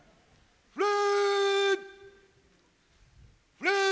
フレー！